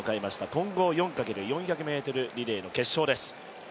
混合４×４００ｍリレーの決勝です。